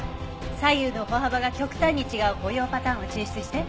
左右の歩幅が極端に違う歩容パターンを抽出して。